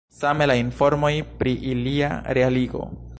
Same la informoj pri ilia realigo.